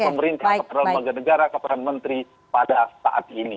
pemerintah kepada lembaga negara kepada menteri pada saat ini